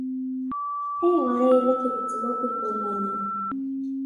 Ayɣer ay la tgezzmeḍ igumma-nni?